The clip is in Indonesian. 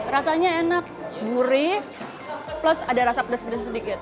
rasanya enak gurih plus ada rasa pedas pedas sedikit